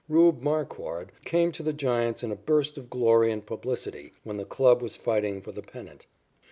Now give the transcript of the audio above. "Rube" Marquard came to the Giants in a burst of glory and publicity when the club was fighting for the pennant.